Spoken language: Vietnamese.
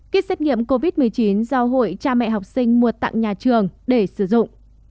kết xét nghiệm covid một mươi chín do hội cha mẹ học sinh mua tặng nhà trường để sử dụng